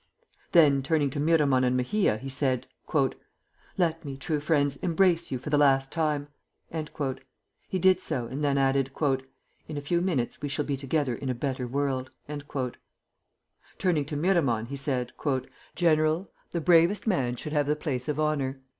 Then, turning to Miramon and Mejia, he said: "Let me, true friends, embrace you for the last time!" He did so, and then added: "In a few minutes we shall be together in a better world." Turning to Miramon, he said: "General, the bravest man should have the place of honor.